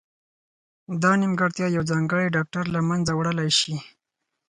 دا نیمګړتیا یو ځانګړی ډاکټر له منځه وړلای شي.